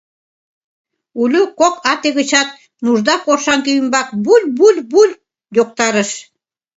Улю кок ате гычат нужда коршаҥге ӱмбак буль-буль-буль йоктарыш.